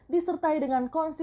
disertai dengan kondisi